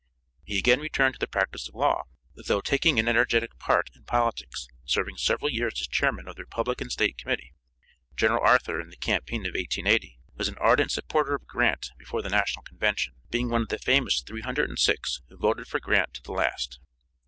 He again returned to the practice of law, though taking an energetic part in politics, serving several years as chairman of the Republican State Committee. General Arthur, in the campaign of 1880, was an ardent supporter of Grant before the National Convention, being one of the famous "306" who voted for Grant to the last.